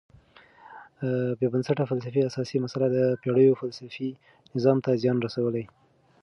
بېبنسټه فلسفي اساسي مسئله د پېړیو فلسفي نظام ته زیان رسولی.